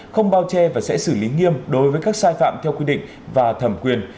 không bao che và sẽ xử lý nghiêm đối với các sai phạm theo quy định và thẩm quyền